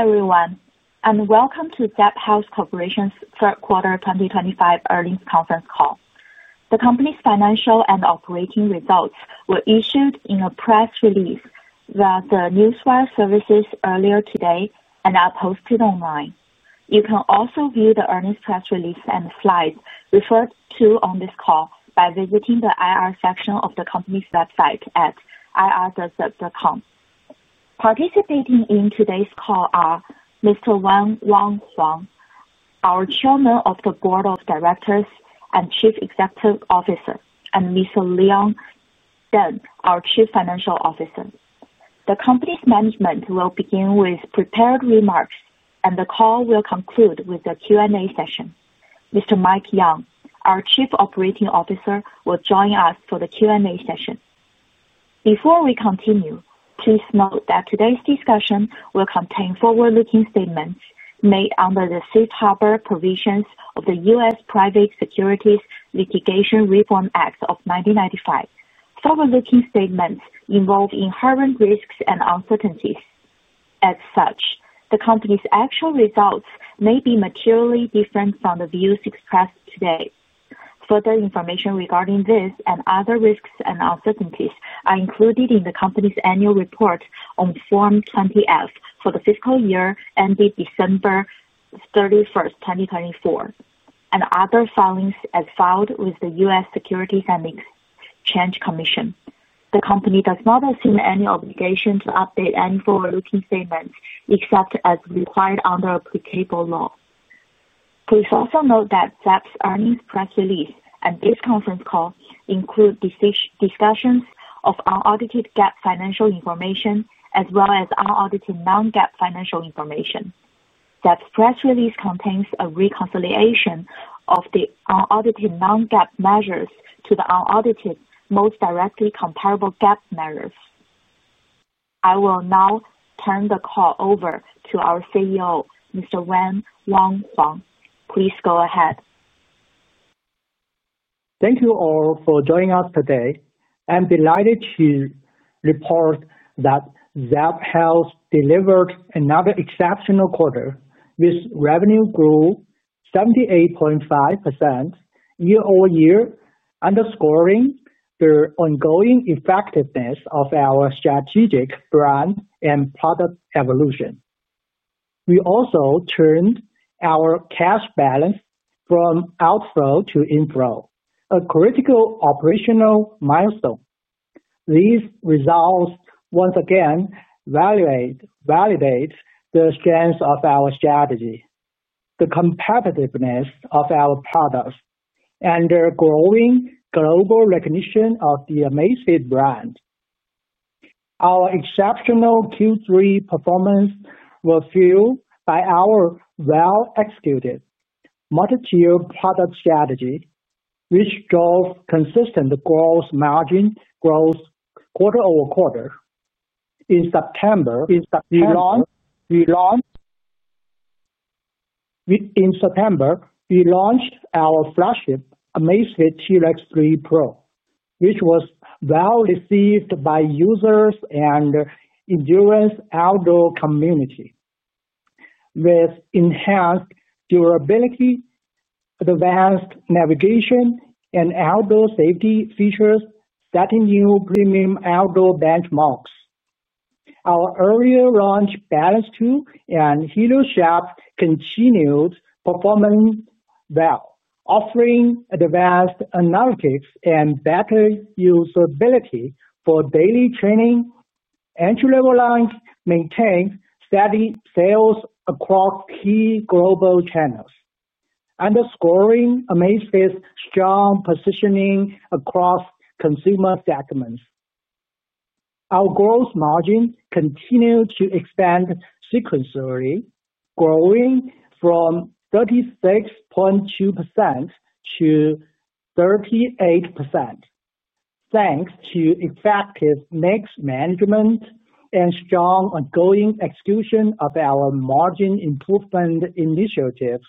Hello everyone, and welcome to Zepp Health Corporation's third quarter 2025 earnings conference call. The company's financial and operating results were issued in a press release via the Newswire services earlier today and are posted online. You can also view the earnings press release and slides referred to on this call by visiting the IR section of the company's website at ir.zepp.com. Participating in today's call are Mr. Wayne Wang Huang, our Chairman of the Board of Directors and Chief Executive Officer, and Mr. Leon Deng, our Chief Financial Officer. The company's management will begin with prepared remarks, and the call will conclude with the Q&A session. Mr. Mike Yeung, our Chief Operating Officer, will join us for the Q&A session. Before we continue, please note that today's discussion will contain forward-looking statements made under the safe harbor provisions of the U.S. Private Securities Litigation Reform Act of 1995. Forward-looking statements involve inherent risks and uncertainties. As such, the company's actual results may be materially different from the views expressed today. Further information regarding this and other risks and uncertainties are included in the company's annual report on Form 20-F for the fiscal year ending December 31st, 2024, and other filings as filed with the U.S. Securities and Exchange Commission. The company does not assume any obligation to update any forward-looking statements except as required under applicable law. Please also note that Zepp's earnings press release and this conference call include discussions of unaudited GAAP financial information as well as unaudited non-GAAP financial information. Zepp's press release contains a reconciliation of the unaudited non-GAAP measures to the unaudited most directly comparable GAAP measures. I will now turn the call over to our CEO, Mr. Wayne Wang Huang. Please go ahead. Thank you all for joining us today. I'm delighted to report that Zepp Health delivered another exceptional quarter with revenue growth 78.5% year-over-year, underscoring the ongoing effectiveness of our strategic brand and product evolution. We also turned our cash balance from outflow to inflow, a critical operational milestone. These results once again validate the strength of our strategy, the competitiveness of our products, and the growing global recognition of the Amazfit brand. Our exceptional Q3 performance was fueled by our well-executed multi-tier product strategy, which drove consistent gross margin growth quarter over quarter. In September, we launched our flagship Amazfit T-Rex 3 Pro, which was well received by users and endurance outdoor community with enhanced durability, advanced navigation, and outdoor safety features set a new premium outdoor benchmarks. Our earlier launch Balance 2 and Helio Strap continued performing well, offering advanced analytics and better usability for daily training. Entry-level line maintained steady sales across key global channels, underscoring Amazfit's strong positioning across consumer segments. Our gross margin continued to expand sequentially, growing from 36.2%-38%. Thanks to effective mixed management and strong ongoing execution of our margin improvement initiatives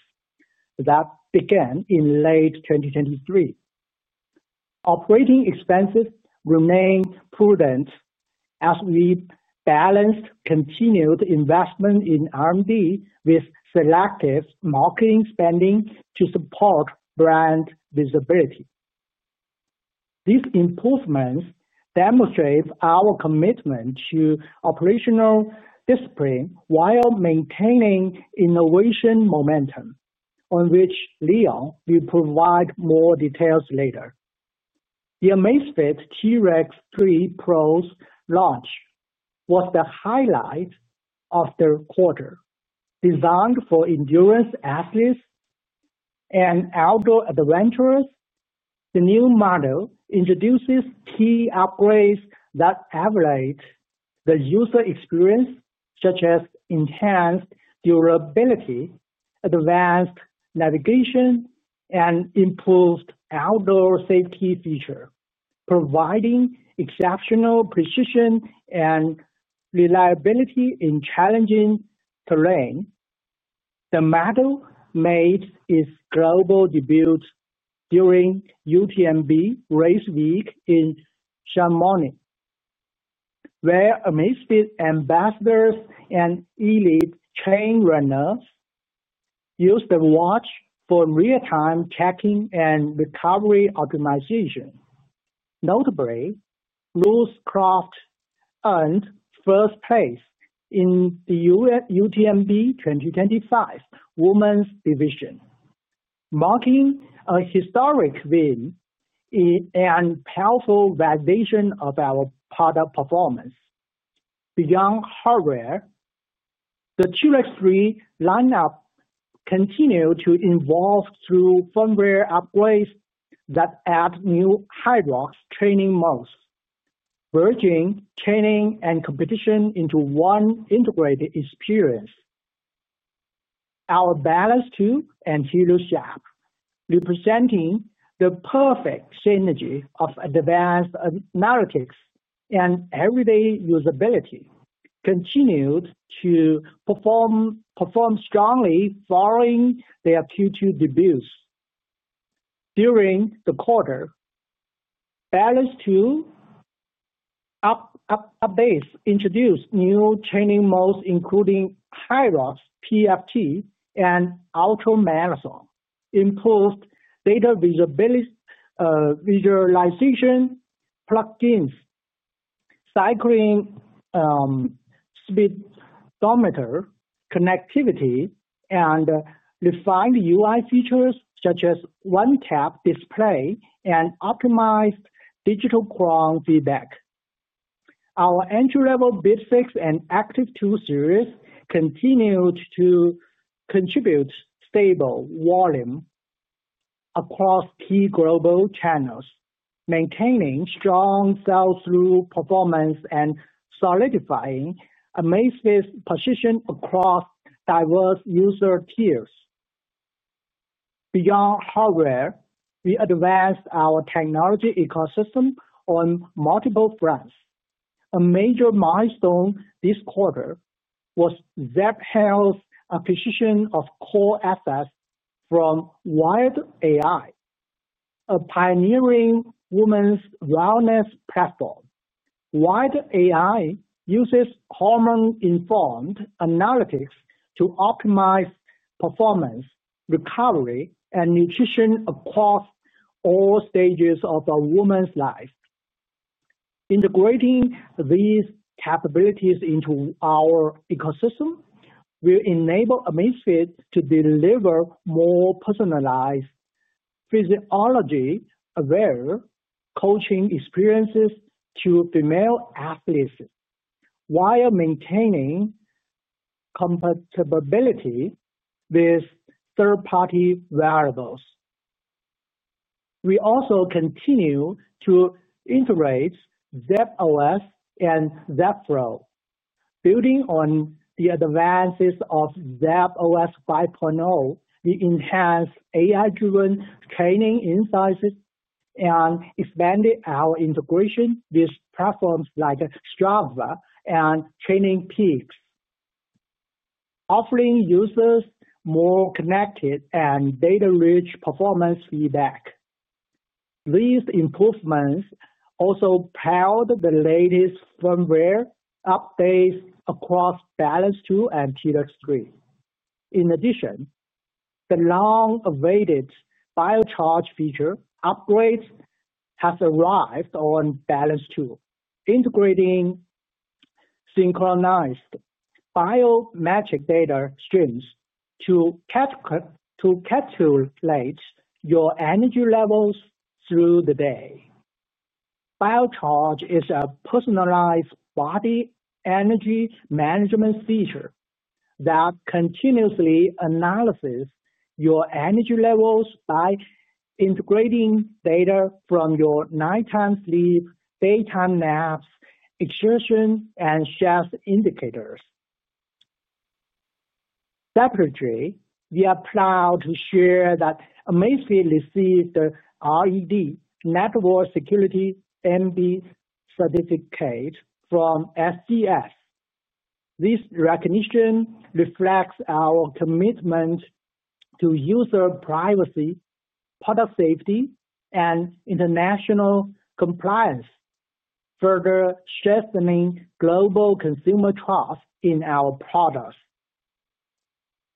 that began in late 2023. Operating expenses remained prudent as we balanced continued investment in R&D with selective marketing spending to support brand visibility. These improvements demonstrate our commitment to operational discipline while maintaining innovation momentum, on which Leon will provide more details later. The Amazfit T-Rex 3 Pro's launch was the highlight of the quarter. Designed for endurance athletes and outdoor adventurers, the new model introduces key upgrades that elevate the user experience, such as enhanced durability, advanced navigation, and improved outdoor safety features, providing exceptional precision and reliability in challenging terrain. The model made its global debut during UTMB Race Week in Chamonix where Amazfit ambassadors and elite trail runners used the watch for real-time tracking and recovery optimization. Notably, Ruth Croft earned first place in the UTMB 2025 Women's Division, marking a historic win and powerful validation of our product performance. Beyond hardware, the T-Rex 3 lineup continued to evolve through firmware upgrades that add new Hyrox training modes, bridging training and competition into one integrated experience. Our Balance 2 and Helio Strap, representing the perfect synergy of advanced analytics and everyday usability, continued to perform strongly following their Q2 debuts. During the quarter, Balance 2 updates introduced new training modes including Hyrox PFT and auto marathon, improved data visualization plugins, cycling speedometer, connectivity, and refined UI features such as one-tap display and optimized digital crown feedback. Our entry-level Bip 6 and Active 2 series continued to contribute stable volume across key global channels, maintaining strong sales through performance and solidifying Amazfit's position across diverse user tiers. Beyond hardware, we advanced our technology ecosystem on multiple fronts. A major milestone this quarter was Zepp Health's acquisition of core assets from Wide AI, a pioneering women's wellness platform. Wide AI uses hormone-informed analytics to optimize performance, recovery, and nutrition across all stages of a woman's life. Integrating these capabilities into our ecosystem will enable Amazfit to deliver more personalized, physiology-aware coaching experiences to female athletes while maintaining compatibility with third-party variables. We also continue to integrate Zepp OS and Zepp Flow. Building on the advances of Zepp OS 5.0, we enhanced AI-driven training insights and expanded our integration with platforms like Strava and TrainingPeaks, offering users more connected and data-rich performance feedback. These improvements also power the latest firmware updates across Balance 2 and T-Rex 3. In addition, the long-awaited Biocharge feature upgrade has arrived on Balance 2, integrating synchronized biometric data streams to catch or reflect your energy levels through the day. Biocharge is a personalized body energy management feature that continuously analyzes your energy levels by integrating data from your nighttime sleep, daytime naps, exertion, and stress indicators. Separately, we are proud to share that Amazfit received the RED Network Security MB certificate from SCS. This recognition reflects our commitment to user privacy, product safety, and international compliance, further strengthening global consumer trust in our products.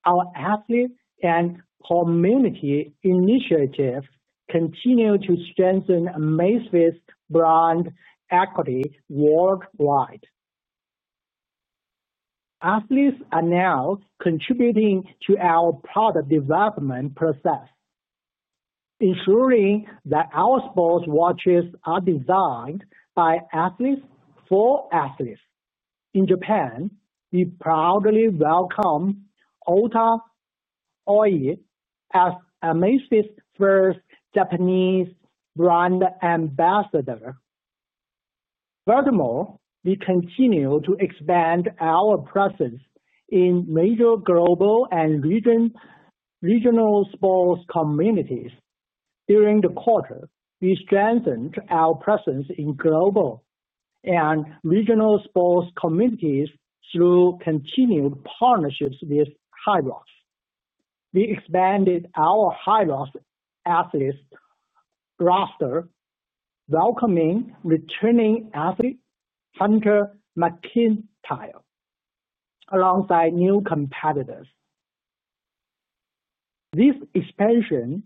Our athlete and community initiatives continue to strengthen Amazfit's brand equities worldwide. Athletes are now contributing to our product development process, ensuring that our sports watches are designed by athletes for athletes. In Japan, we proudly welcome Ota Oi as Amazfit's first Japanese brand ambassador. Furthermore, we continue to expand our presence in major global and regional sports communities. During the quarter, we strengthened our presence in global and regional sports communities through continued partnerships with Hyrox. We expanded our Hyrox athletes roster, welcoming returning athlete Hunter McIntyre alongside new competitors. This expansion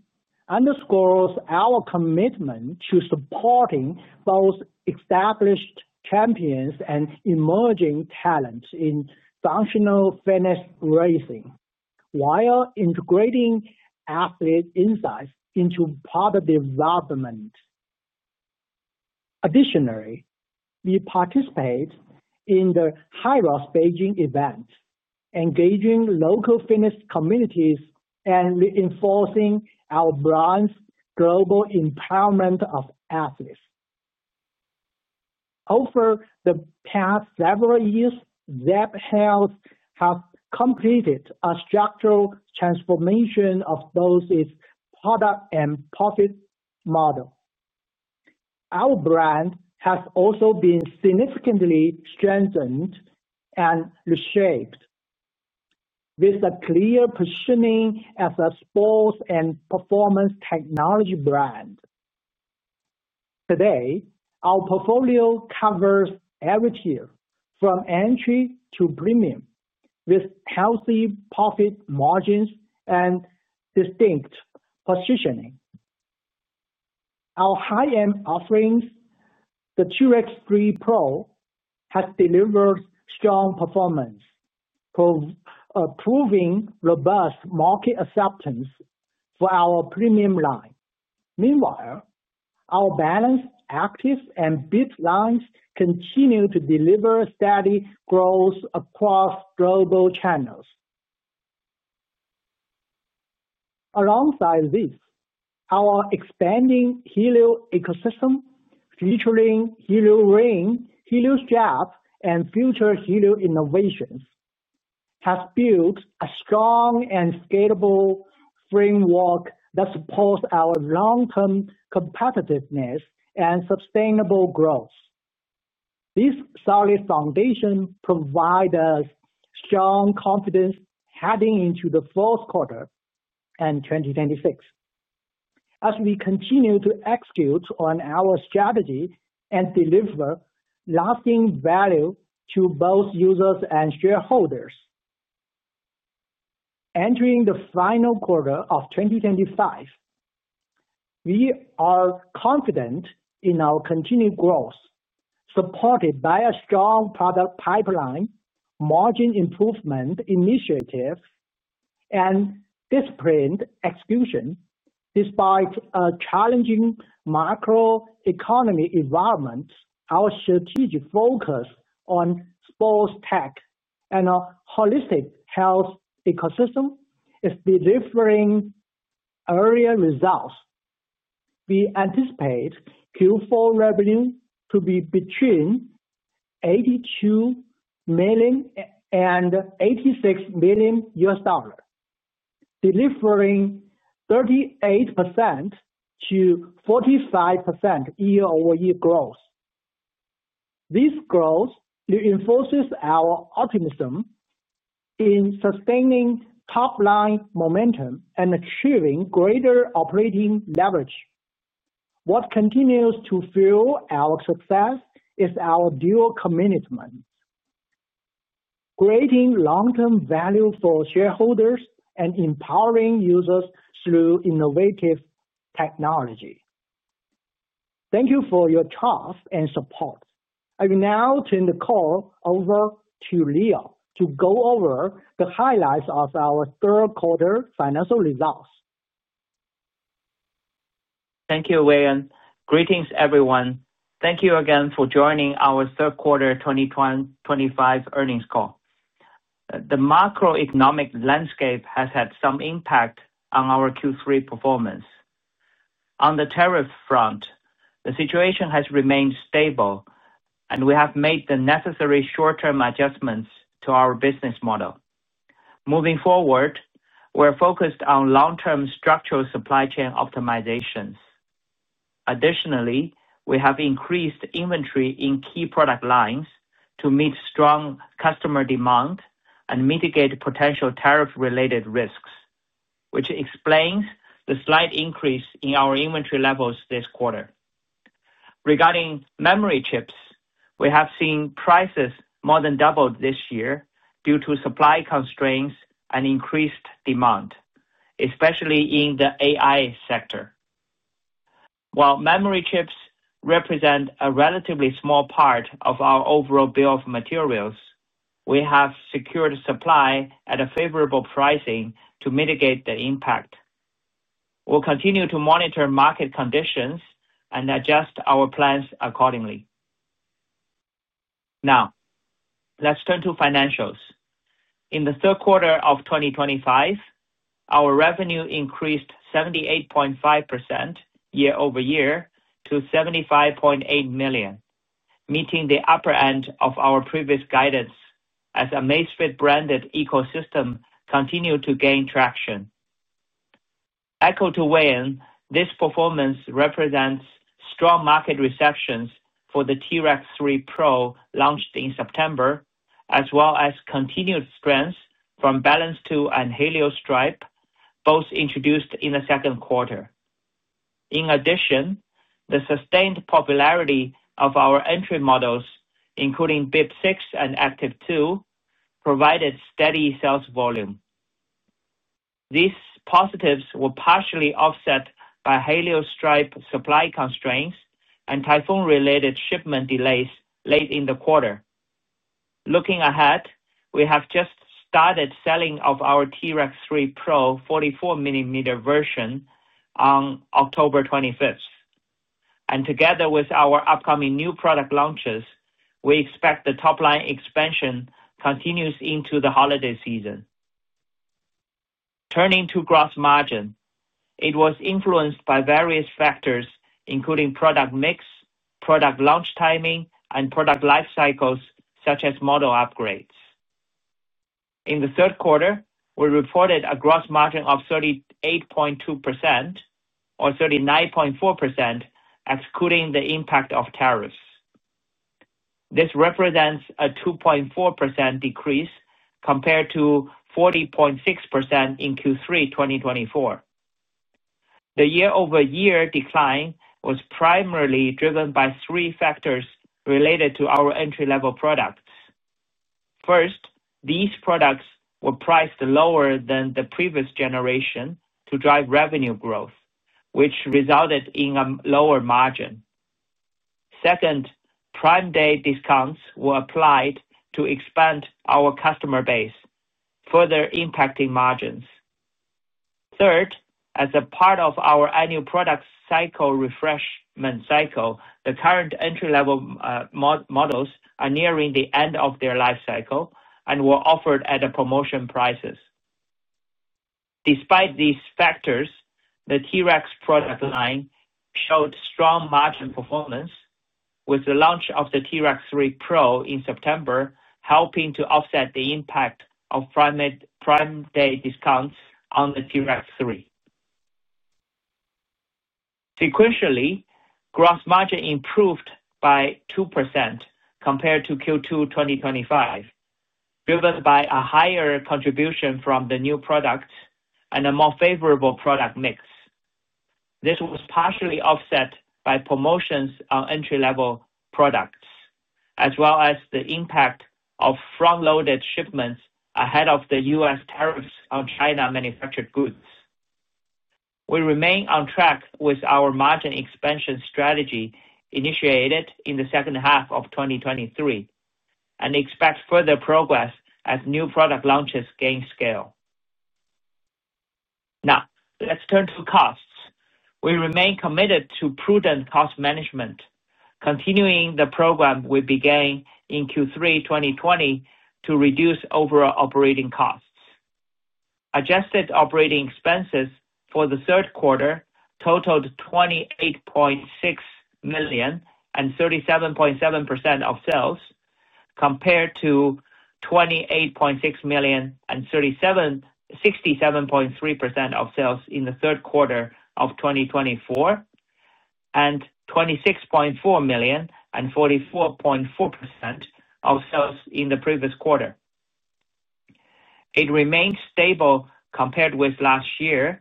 underscores our commitment to supporting both established champions and emerging talents in functional fitness racing, while integrating athlete insights into product development. Additionally, we participate in the Hyrox Beijing event, engaging local fitness communities and reinforcing our brand's global empowerment of athletes. Over the past several years, Zepp Health has completed a structural transformation of both its product and profit model. Our brand has also been significantly strengthened and reshaped with a clear positioning as a sports and performance technology brand. Today, our portfolio covers every tier from entry to premium with healthy profit margins and distinct positioning. Our high-end offerings, the T-Rex 3 Pro, has delivered strong performance proving robust market acceptance for our premium line. Meanwhile, our Balance, Active, and Bip lines continue to deliver steady growth across global channels. Alongside this, our expanding Helio ecosystem, featuring Helio Ring, Helio Strap, and future Helio innovations, has built a strong and scalable framework that supports our long-term competitiveness and sustainable growth. This solid foundation provides us strong confidence heading into the fourth quarter and 2026. As we continue to execute on our strategy and deliver lasting value to both users and shareholders. Entering the final quarter of 2025, we are confident in our continued growth, supported by a strong product pipeline, margin improvement initiatives, and disciplined execution. Despite a challenging macroeconomic environment, our strategic focus on sports tech and a holistic health ecosystem is delivering real results. We anticipate Q4 revenue to be between $82 million and $86 million. Delivering 38%-45% year-over-year growth. This growth reinforces our optimism in sustaining top-line momentum and achieving greater operating leverage. What continues to fuel our success is our dual commitment: creating long-term value for shareholders and empowering users through innovative technology. Thank you for your trust and support. I will now turn the call over to Leon to go over the highlights of our third-quarter financial results. Thank you, Wang. Greetings, everyone. Thank you again for joining our third-quarter 2025 earnings call. The macroeconomic landscape has had some impact on our Q3 performance. On the tariff front, the situation has remained stable, and we have made the necessary short-term adjustments to our business model. Moving forward, we're focused on long-term structural supply chain optimizations. Additionally, we have increased inventory in key product lines to meet strong customer demand and mitigate potential tariff-related risks, which explains the slight increase in our inventory levels this quarter. Regarding memory chips, we have seen prices more than doubled this year due to supply constraints and increased demand, especially in the AI sector. While memory chips represent a relatively small part of our overall bill of materials, we have secured supply at a favorable pricing to mitigate the impact. We'll continue to monitor market conditions and adjust our plans accordingly. Now, let's turn to financials. In the third quarter of 2025, our revenue increased 78.5% year-over-year to $75.8 million, meeting the upper end of our previous guidance as Amazfit-branded ecosystem continued to gain traction. Echo to Wayne, this performance represents strong market reception for the T-Rex 3 Pro launched in September, as well as continued strength from Balance 2 and Helio Strap, both introduced in the second quarter. In addition, the sustained popularity of our entry models, including Bip 6 and Active 2, provided steady sales volume. These positives were partially offset by Helio Strap supply constraints and typhoon-related shipment delays late in the quarter. Looking ahead, we have just started selling of our T-Rex 3 Pro 44 mm version on October 25th, and together with our upcoming new product launches, we expect the top-line expansion continues into the holiday season. Turning to gross margin, it was influenced by various factors, including product mix, product launch timing, and product life cycles such as model upgrades. In the third quarter, we reported a gross margin of 38.2%, or 39.4% excluding the impact of tariffs. This represents a 2.4% decrease compared to 40.6% in Q3 2024. The year-over-year decline was primarily driven by three factors related to our entry-level products. First, these products were priced lower than the previous generation to drive revenue growth, which resulted in a lower margin. Second, Prime Day discounts were applied to expand our customer base, further impacting margins. Third, as a part of our annual product cycle refreshment cycle, the current entry-level models are nearing the end of their life cycle and were offered at promotion prices. Despite these factors, the T-Rex product line showed strong margin performance, with the launch of the T-Rex 3 Pro in September helping to offset the impact of Prime Day discounts on the T-Rex 3. Sequentially, gross margin improved by 2% compared to Q2 2025, driven by a higher contribution from the new products and a more favorable product mix. This was partially offset by promotions on entry-level products, as well as the impact of front-loaded shipments ahead of the U.S. tariffs on China-manufactured goods. We remain on track with our margin expansion strategy initiated in the second half of 2023 and expect further progress as new product launches gain scale. Now, let's turn to costs. We remain committed to prudent cost management. Continuing the program we began in Q3 2020 to reduce overall operating costs. Adjusted operating expenses for the third quarter totaled $28.6 million and 37.7% of sales, compared to $28.6 million and 37.6% of sales in the third quarter of 2024, and $26.4 million and 44.4% of sales in the previous quarter. It remained stable compared with last year.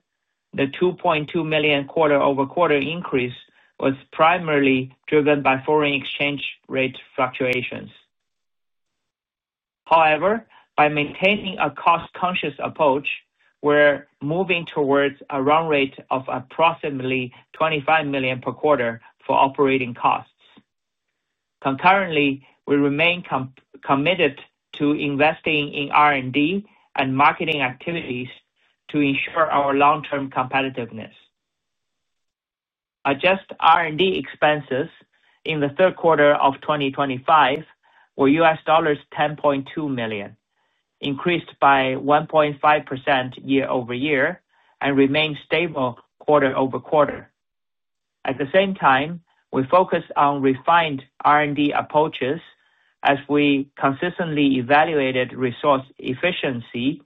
The $2.2 million quarter-over-quarter increase was primarily driven by foreign exchange rate fluctuations. However, by maintaining a cost-conscious approach, we're moving towards a run rate of approximately $25 million per quarter for operating costs. Concurrently, we remain committed to investing in R&D and marketing activities to ensure our long-term competitiveness. Adjusted R&D expenses in the third quarter of 2025 were $10.2 million, increased by 1.5% year-over-year and remained stable quarter-over-quarter. At the same time, we focused on refined R&D approaches as we consistently evaluated resource efficiency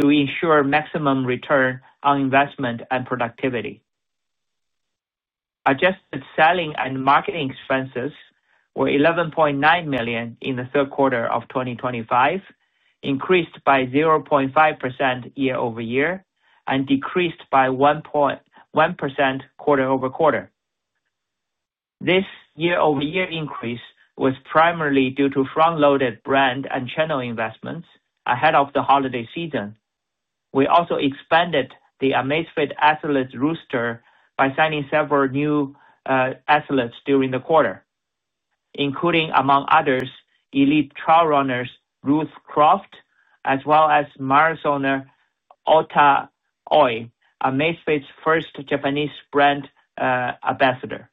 to ensure maximum return on investment and productivity. Adjusted selling and marketing expenses were $11.9 million in the third quarter of 2025, increased by 0.5% year-over-year and decreased by 1.1% quarter-over-quarter. This year-over-year increase was primarily due to front-loaded brand and channel investments ahead of the holiday season. We also expanded the Amazfit Athlete Roster by signing several new athletes during the quarter, including, among others, elite trail runner Ruth Croft, as well as marathoner Ota Oi, Amazfit's first Japanese brand ambassador,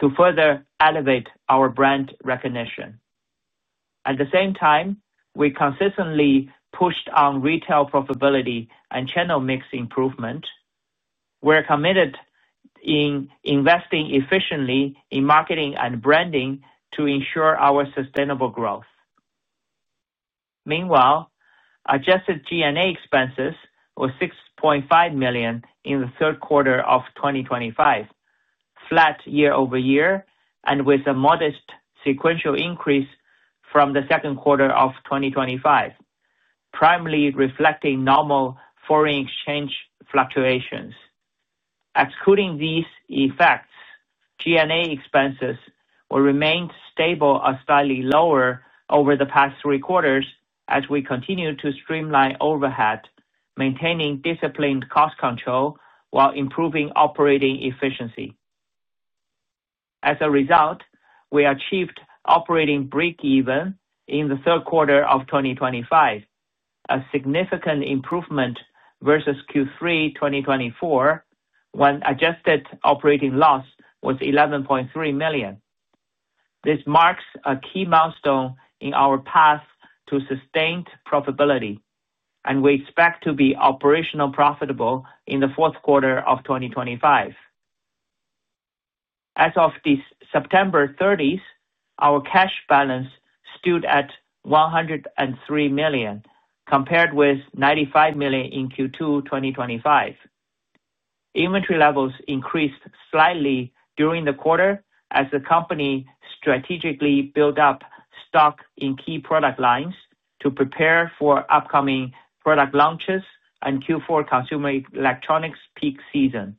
to further elevate our brand recognition. At the same time, we consistently pushed on retail profitability and channel mix improvement. We're committed to investing efficiently in marketing and branding to ensure our sustainable growth. Meanwhile, adjusted G&A expenses were $6.5 million in the third quarter of 2025, flat year-over-year and with a modest sequential increase from the second quarter of 2025, primarily reflecting normal foreign exchange fluctuations. Excluding these effects, G&A expenses remained stable or slightly lower over the past three quarters as we continued to streamline overhead, maintaining disciplined cost control while improving operating efficiency. As a result, we achieved operating break-even in the third quarter of 2025, a significant improvement versus Q3 2024, when adjusted operating loss was $11.3 million. This marks a key milestone in our path to sustained profitability, and we expect to be operationally profitable in the fourth quarter of 2025. As of September 30th, our cash balance stood at $103 million compared with $95 million in Q2 2025. Inventory levels increased slightly during the quarter as the company strategically built up stock in key product lines to prepare for upcoming product launches and Q4 consumer electronics peak season.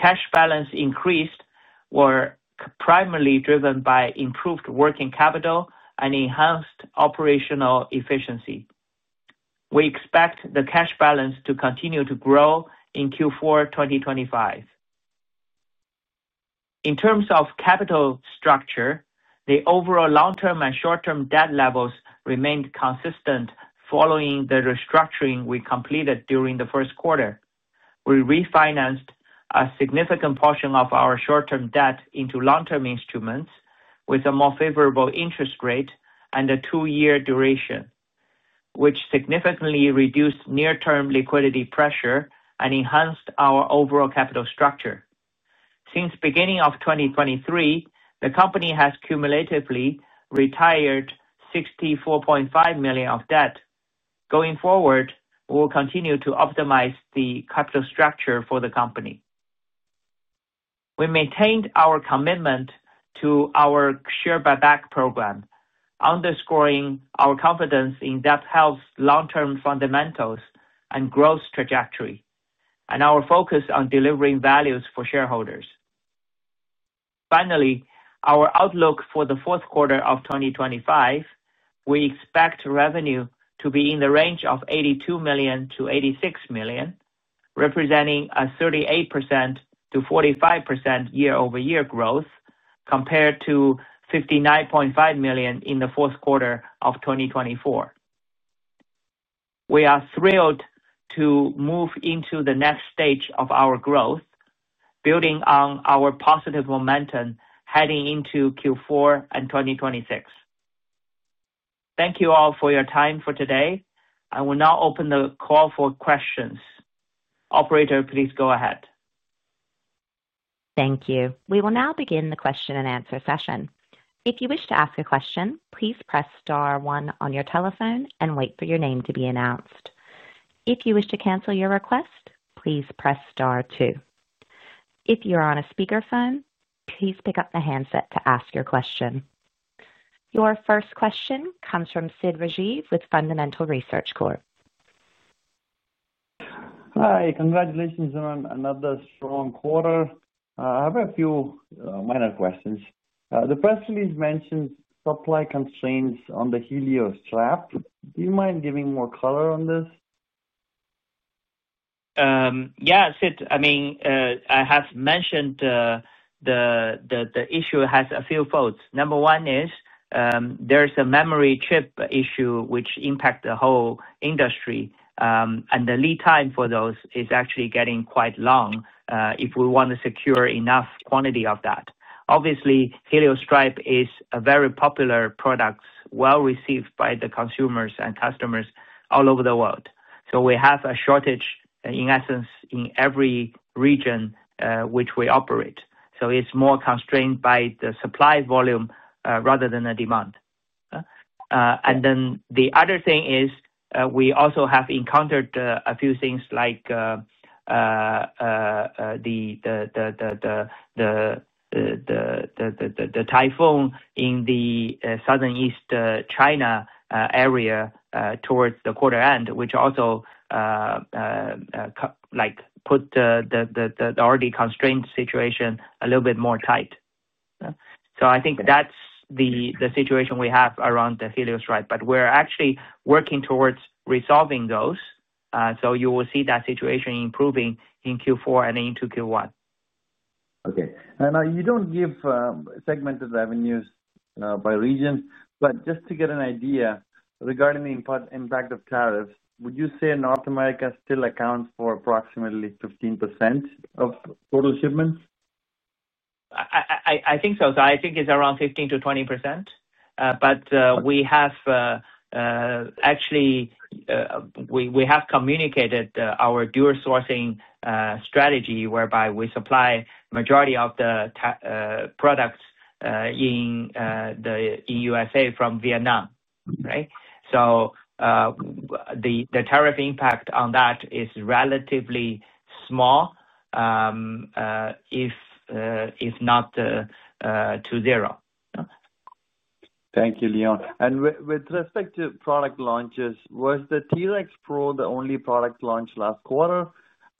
Cash balance increased were primarily driven by improved working capital and enhanced operational efficiency. We expect the cash balance to continue to grow in Q4 2025. In terms of capital structure, the overall long-term and short-term debt levels remained consistent following the restructuring we completed during the first quarter. We refinanced a significant portion of our short-term debt into long-term instruments with a more favorable interest rate and a two-year duration, which significantly reduced near-term liquidity pressure and enhanced our overall capital structure. Since the beginning of 2023, the company has cumulatively retired $64.5 million of debt. Going forward, we will continue to optimize the capital structure for the company. We maintained our commitment to our share-buyback program underscoring our confidence in Zepp Health's long-term fundamentals and growth trajectory, and our focus on delivering value for shareholders. Finally, our outlook for the fourth quarter of 2025. We expect revenue to be in the range of $82 million-$86 million, representing a 38%-45% year-over-year growth compared to $59.5 million in the fourth quarter of 2024. We are thrilled to move into the next stage of our growth, building on our positive momentum heading into Q4 and 2026. Thank you all for your time today. I will now open the call for questions. Operator, please go ahead. Thank you. We will now begin the question-and-answer session. If you wish to ask a question, please press star one on your telephone and wait for your name to be announced. If you wish to cancel your request, please press star two. If you are on a speakerphone, please pick up the handset to ask your question. Your first question comes from Sid Rajeev with Fundamental Research Corp. Hi. Congratulations on another strong quarter. I have a few minor questions. The press release mentions supply constraints on the Helio Strap. Do you mind giving more color on this? Yeah, Sid. I mean, I have mentioned. The issue has a few faults. Number one is. There's a memory chip issue which impacts the whole industry, and the lead time for those is actually getting quite long if we want to secure enough quantity of that. Obviously, Helio Strap is a very popular product, well received by the consumers and customers all over the world. So we have a shortage, in essence, in every region. Which we operate. So it's more constrained by the supply volume rather than the demand. And then the other thing is we also have encountered a few things like the typhoon in the Southeast China area towards the quarter end, which also put the already constrained situation a little bit more tight. So I think that's the situation we have around the Helio Strap, but we're actually working towards resolving those. So you will see that situation improving in Q4 and into Q1. Okay. Now you don't give segmented revenues by region, but just to get an idea regarding the impact of tariffs, would you say North America still accounts for approximately 15% of total shipments? I think so. So I think it's around 15%-20%. But we have actually communicated our dual-sourcing strategy whereby we supply the majority of the products in the USA from Vietnam, right? So the tariff impact on that is relatively small, if not to zero. Thank you, Leon, and with respect to product launches, was the T-Rex 3 Pro the only product launched last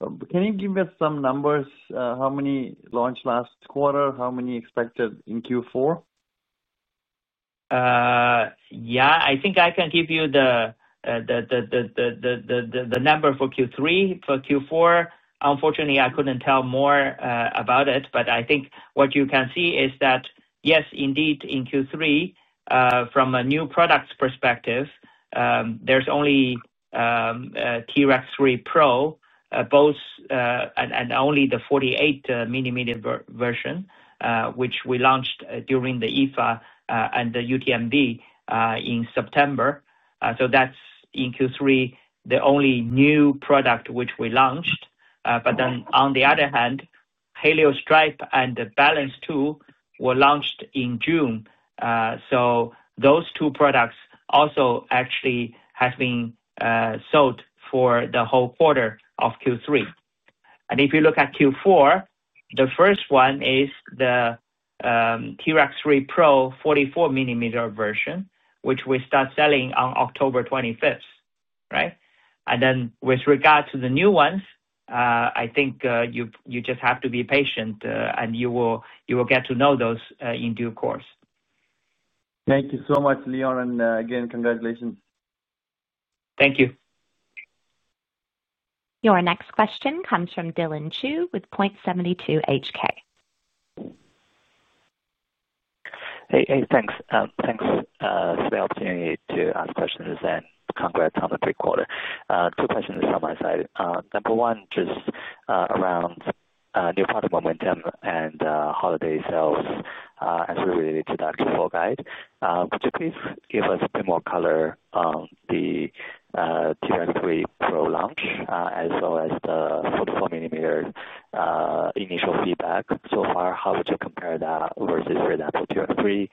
quarter? Can you give me some numbers? How many launched last quarter? How many expected in Q4? Yeah, I think I can give you the number for Q3. For Q4, unfortunately, I couldn't tell more about it, but I think what you can see is that, yes, indeed, in Q3 from a new product perspective, there's only T-Rex 3 Pro and only the 48 mm version, which we launched during the IFA and the UTMB in September. So that's in Q3, the only new product which we launched. But then, on the other hand, Helio Strap and the Balance 2 were launched in June. So those two products also actually have been sold for the whole quarter of Q3. And if you look at Q4, the first one is the T-Rex 3 Pro 44 mm version, which we start selling on October 25th, right? And then with regard to the new ones, I think you just have to be patient, and you will get to know those in due course. Thank you so much, Leon. And again, congratulations. Thank you. Your next question comes from Dylan Chu with Point72 HK. Hey, thanks. Thanks for the opportunity to ask questions and congrats on the pre-quarter. Two questions to summarize. Number one, just around new product momentum and holiday sales as we related to that Q4 guide. Could you please give us a bit more color on the T-Rex 3 Pro launch as well as the 44 mm initial feedback. So far, how would you compare that versus, for example, T-Rex 3?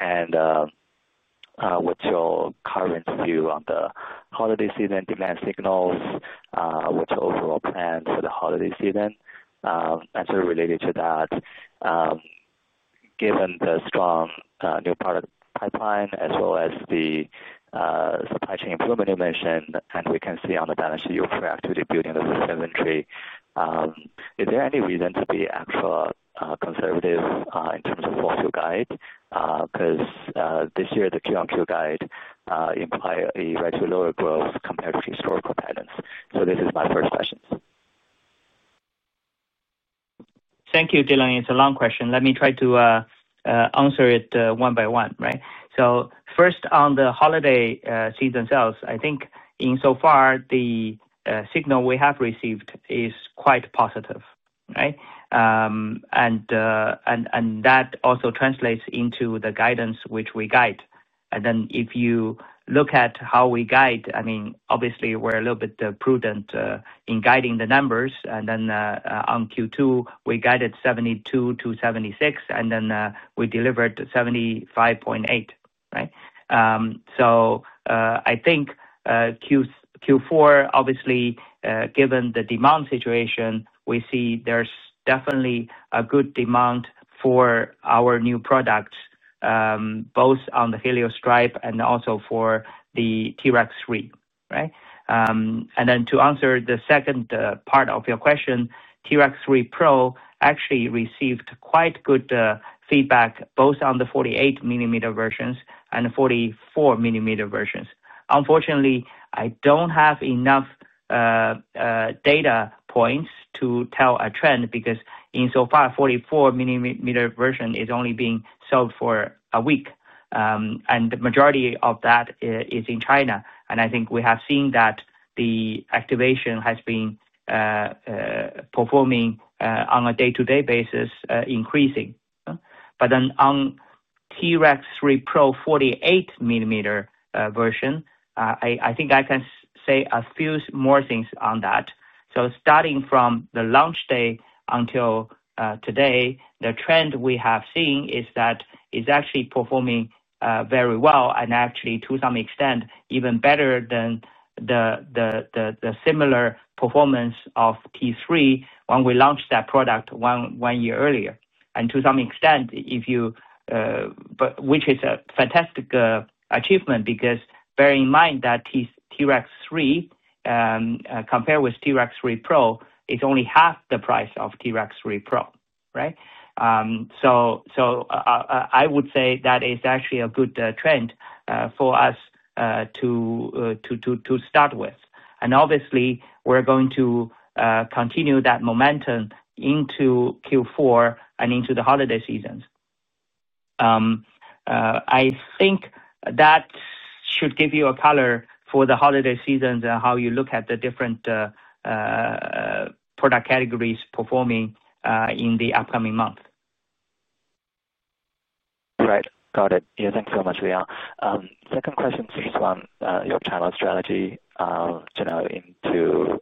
And what's your current view on the holiday season demand signals? What's your overall plan for the holiday season? And so, related to that. Given the strong new product pipeline as well as the supply chain improvement you mentioned, and we can see on the balance sheet your productive building of the inventory. Is there any reason to be extra conservative in terms of full-year guide? Because this year, the Q-on-Q guide implies a return to lower growth compared to historical patterns. So this is my first question. Thank you, Dylan. It's a long question. Let me try to answer it one by one, right? So first, on the holiday season sales, I think insofar the signal we have received is quite positive, right? And that also translates into the guidance which we guide. And then if you look at how we guide, I mean, obviously, we're a little bit prudent in guiding the numbers. And then on Q2, we guided $72-$76, and then we delivered $75.8, right? So I think Q4, obviously, given the demand situation, we see there's definitely a good demand for our new products. Both on the Helio Strap and also for the T-Rex 3, right? And then to answer the second part of your question, T-Rex 3 Pro actually received quite good feedback both on the 48 mm versions and the 44 mm versions. Unfortunately, I don't have enough data points to tell a trend because in so far, the 44 mm version is only being sold for a week and the majority of that is in China. And I think we have seen that the activation has been performing on a day-to-day basis increasing. But then on T-Rex 3 Pro 48 mm version, I think I can say a few more things on that. So starting from the launch day until today, the trend we have seen is that it's actually performing very well and actually, to some extent, even better than the similar performance of T3 when we launched that product one year earlier. And to some extent, which is a fantastic achievement because bear in mind that T-Rex 3 compared with T-Rex 3 Pro, it's only half the price of T-Rex 3 Pro, right? So I would say that is actually a good trend for us to start with. And obviously, we're going to continue that momentum into Q4 and into the holiday seasons. I think that should give you a color for the holiday seasons and how you look at the different product categories performing in the upcoming month. Right. Got it. Yeah, thanks so much, Leon. Second question is just on your channel strategy into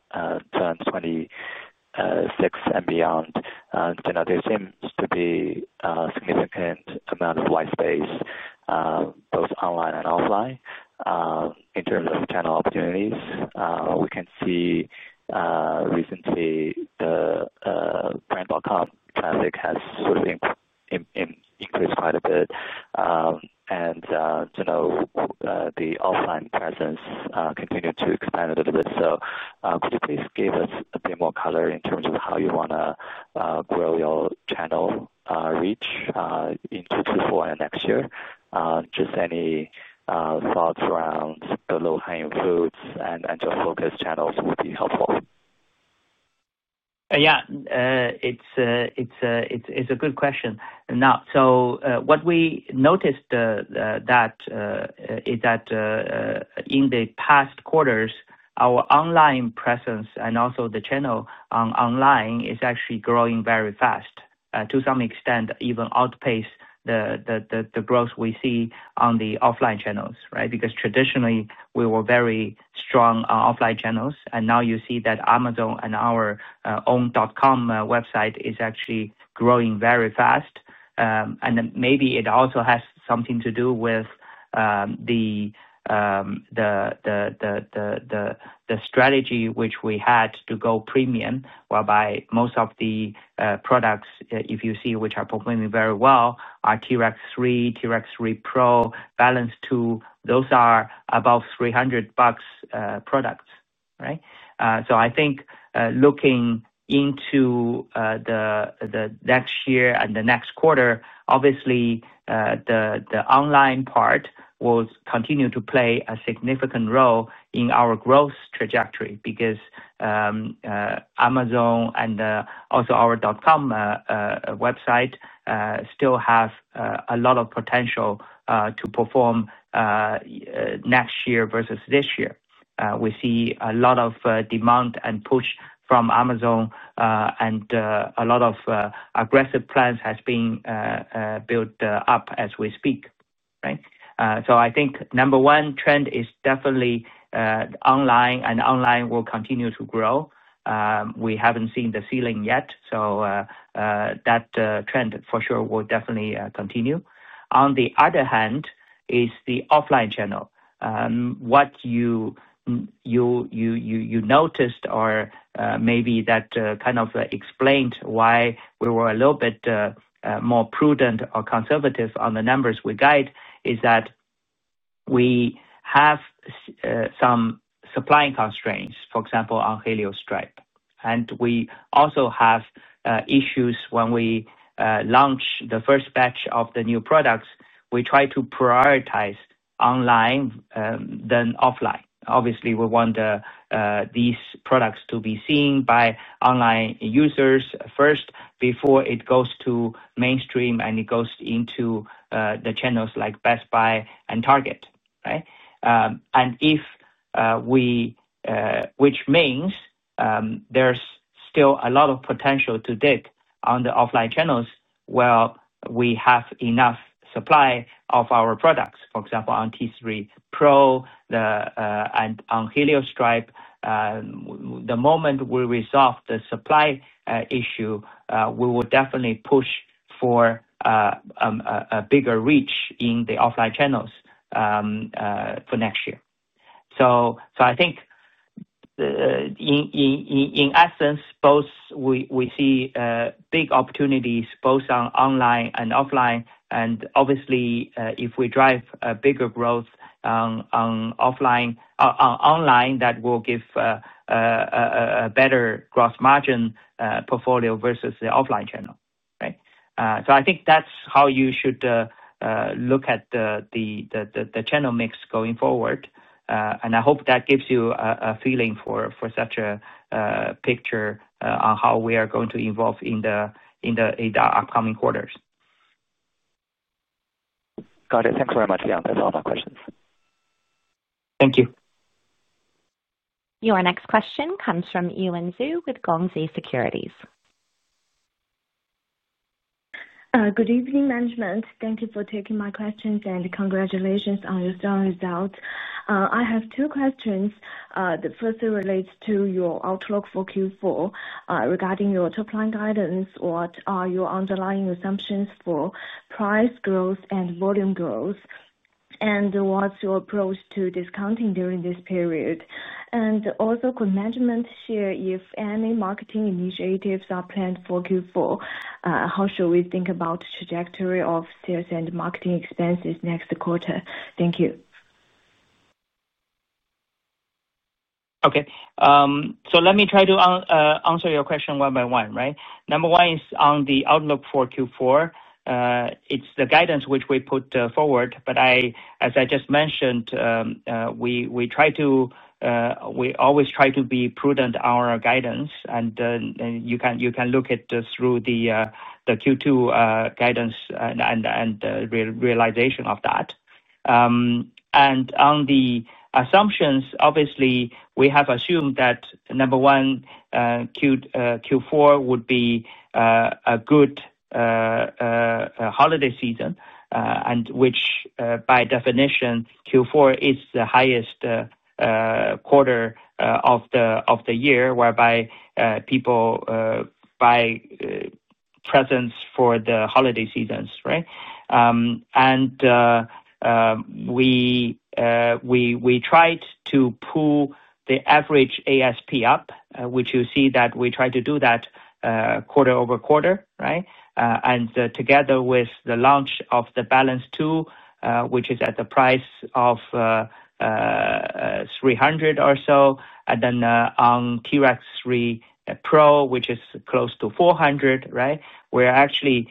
2026 and beyond. There seems to be a significant amount of white space both online and offline in terms of channel opportunities. We can see recently the Brand.com traffic has sort of increased quite a bit. And the offline presence continued to expand a little bit. So could you please give us a bit more color in terms of how you want to grow your channel reach into Q4 and next year? Just any thoughts around the low-hanging fruits and to focus channels would be helpful. Yeah. It's a good question. Now, so what we noticed that is that in the past quarters, our online presence and also the channel online is actually growing very fast, to some extent, even outpace the growth we see on the offline channels, right? Because traditionally, we were very strong on offline channels. And now you see that Amazon and our own dot-com website is actually growing very fast. And maybe it also has something to do with the strategy which we had to go premium, whereby most of the products, if you see, which are performing very well, are T-Rex 3, T-Rex 3 Pro, Balance 2. Those are above 300 bucks products, right? So I think looking into the next year and the next quarter, obviously the online part will continue to play a significant role in our growth trajectory because Amazon and also our dot-com website still have a lot of potential to perform next year versus this year. We see a lot of demand and push from Amazon, and a lot of aggressive plans have been built up as we speak, right? So I think number one, trend is definitely online and online will continue to grow. We haven't seen the ceiling yet. So that trend for sure will definitely continue. On the other hand is the offline channel. What you noticed or maybe that kind of explained why we were a little bit more prudent or conservative on the numbers we guide is that we have some supply constraints, for example, on Helio Strap. And we also have issues when we launch the first batch of the new products. We try to prioritize online than offline. Obviously, we want these products to be seen by online users first before it goes to mainstream and it goes into the channels like Best Buy and Target, right? Which means there's still a lot of potential to dig on the offline channels while we have enough supply of our products, for example, on T-Rex 3 Pro and on Helio Strap. The moment we resolve the supply issue, we will definitely push for a bigger reach in the offline channels for next year. So I think in essence, both we see big opportunities both on online and offline. And obviously, if we drive a bigger growth on online that will give a better gross margin portfolio versus the offline channel, right? So I think that's how you should look at the channel mix going forward. And I hope that gives you a feeling for such a picture on how we are going to evolve in the upcoming quarters. Got it. Thanks very much, Leon. That's all my questions. Thank you. Your next question comes from Yuan Zhu with Guosen Securities. Good evening, management. Thank you for taking my questions and congratulations on your strong results. I have two questions. The first relates to your outlook for Q4 regarding your top-line guidance. What are your underlying assumptions for price growth and volume growth? And what's your approach to discounting during this period? And also, could management share if any marketing initiatives are planned for Q4? How should we think about the trajectory of sales and marketing expenses next quarter? Thank you. Okay. So let me try to answer your question one by one, right? Number one is on the outlook for Q4. It's the guidance which we put forward. But as I just mentioned, we always try to be prudent on our guidance. And you can look back through the Q2 guidance and realization of that. And on the assumptions, obviously, we have assumed that number one, Q4 would be a good holiday season, which by definition, Q4 is the highest quarter of the year, whereby people buy presents for the holiday seasons, right? And we Tried to pull the average ASP up, which you see that we try to do that. Quarter-over-quarter, right? And together with the launch of the Balance 2, which is at the price of $300 or so, and then on T-Rex 3 Pro, which is close to $400, right? We're actually,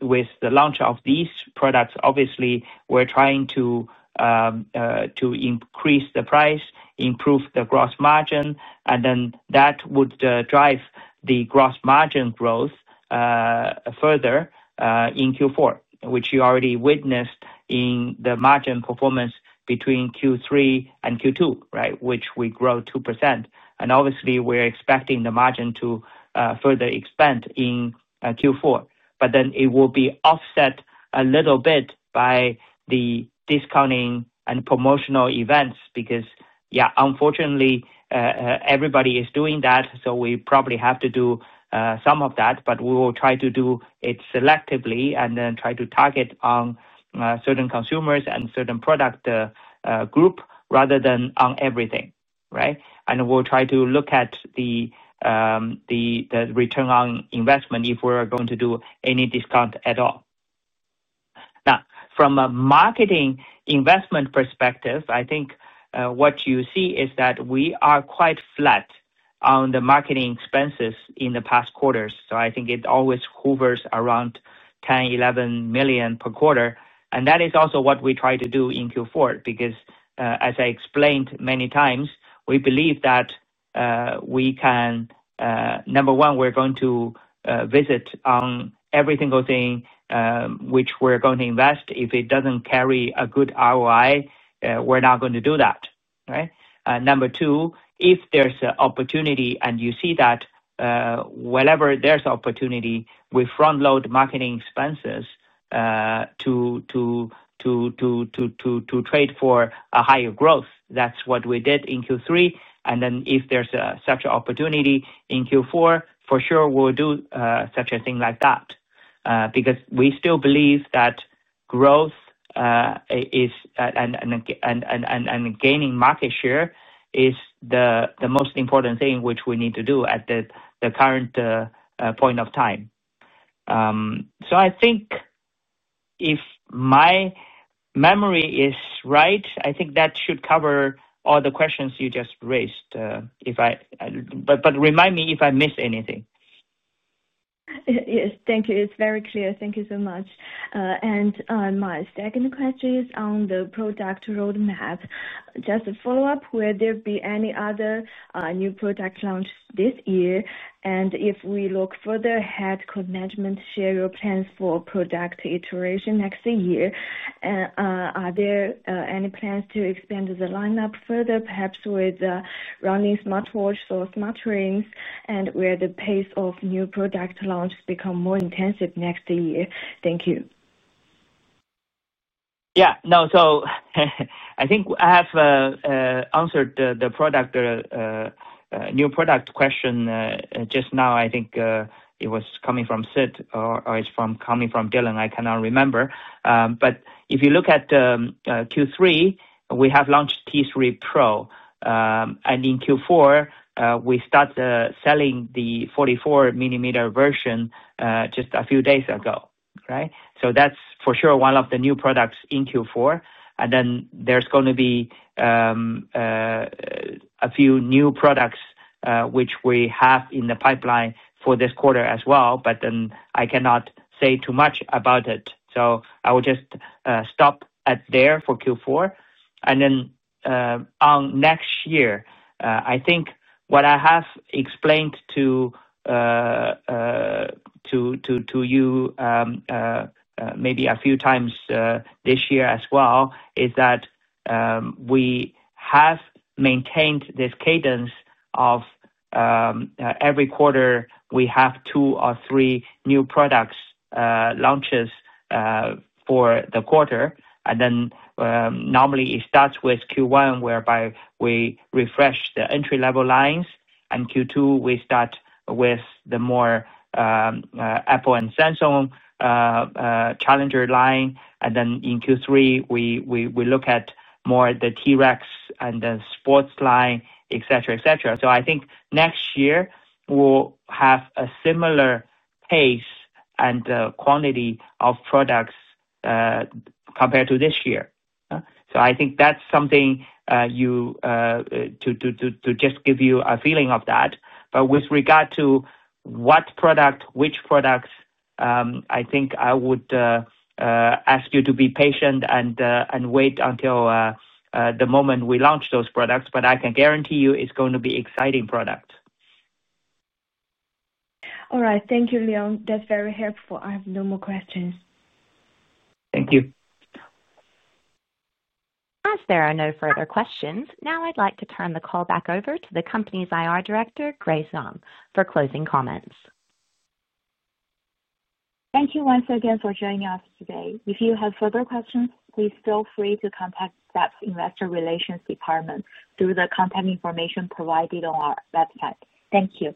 with the launch of these products, obviously, we're trying to increase the price, improve the gross margin, and then that would drive the gross margin growth further in Q4, which you already witnessed in the margin performance between Q3 and Q2, right? Which we grow 2%. And obviously, we're expecting the margin to further expand in Q4. But then it will be offset a little bit by the discounting and promotional events because, yeah, unfortunately, everybody is doing that. So we probably have to do some of that, but we will try to do it selectively and then try to target on certain consumers and certain product group rather than on everything, right? And we'll try to look at the return on investment if we're going to do any discount at all. Now, from a marketing investment perspective, I think what you see is that we are quite flat on the marketing expenses in the past quarters. So I think it always hovers around $10, $11 million per quarter. And that is also what we try to do in Q4 because, as I explained many times, we believe that we can, number one, we're going to vet on every single thing which we're going to invest. If it doesn't carry a good ROI, we're not going to do that, right? Number two, if there's an opportunity and you see that. Wherever there's an opportunity, we front-load marketing expenses to trade for a higher growth. That's what we did in Q3. And then if there's such an opportunity in Q4, for sure, we'll do such a thing like that. Because we still believe that growth and gaining market share is the most important thing which we need to do at the current point of time. So I think if my memory is right, I think that should cover all the questions you just raised. But remind me if I missed anything. Yes. Thank you. It's very clear. Thank you so much. And my second question is on the product roadmap. Just a follow-up. Will there be any other new product launch this year? And if we look further ahead, could management share your plans for product iteration next year? Are there any plans to expand the lineup further, perhaps with running smartwatches or smart rings, and will the pace of new product launch become more intensive next year? Thank you. Yeah. No. So I think I have answered the new product question just now. I think it was coming from Sid or it's coming from Dylan. I cannot remember. But if you look at Q3, we have launched T3 Pro. And in Q4, we start selling the 44 mm version just a few days ago, right? So that's for sure one of the new products in Q4. And then there's going to be a few new products which we have in the pipeline for this quarter as well. But then I cannot say too much about it. So I will just stop there for Q4. And then on next year, I think what I have explained to you, maybe a few times this year as well, is that we have maintained this cadence of every quarter, we have two or three new product launches for the quarter. And then normally it starts with Q1, whereby we refresh the entry-level lines, and Q2, we start with the more Apple and Samsung challenger line, and then in Q3, we look at more the T-Rex and the sports line, et cetera, et cetera. So I think next year, we'll have a similar pace and quantity of products compared to this year. So I think that's something to just give you a feeling of that. But with regard to what product, which products, I think I would ask you to be patient and wait until the moment we launch those products. But I can guarantee you it's going to be exciting products. All right. Thank you, Leon. That's very helpful. I have no more questions. Thank you. As there are no further questions, now I'd like to turn the call back over to the company's IR Director, Grace Zhang, for closing comments. Thank you once again for joining us today. If you have further questions, please feel free to contact Zepp's Investor Relations department through the contact information provided on our website. Thank you.